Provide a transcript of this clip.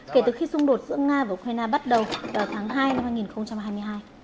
kể từ khi xung đột giữa nga và ukraine bắt đầu vào tháng hai năm hai nghìn hai mươi hai